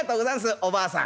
おばあさん」。